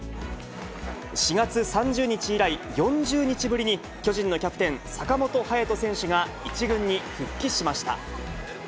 ４月３０日以来、４０日ぶりに巨人のキャプテン、坂本勇人選手が１軍に復帰しました。